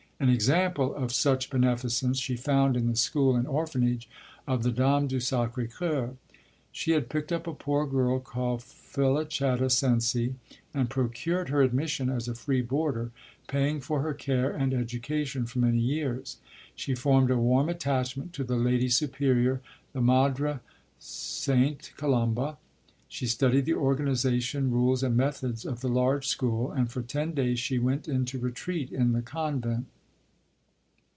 An example of such beneficence she found in the school and orphanage of the Dames du Sacré C[oe]ur. She had picked up a poor girl called Felicetta Sensi, and procured her admission as a free boarder, paying for her care and education for many years. She formed a warm attachment to the Lady Superior, the Madre Sta. Colomba. She studied the organization, rules, and methods of the large school, and for ten days she went into Retreat in the Convent.